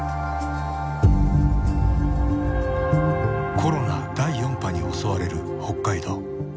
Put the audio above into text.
コロナ第４波に襲われる北海道。